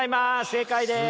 正解です。